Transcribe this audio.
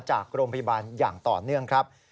จากโรงพยาบาลอย่างต่อเนื่องครับ